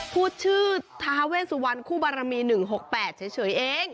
พูดชื่อทาเวสุวรรณคู่บารมี๑๖๘เฉยเอง